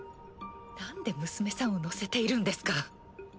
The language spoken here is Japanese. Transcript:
なんで娘さんを乗せているんですか？